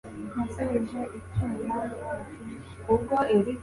nasubije icyuma natije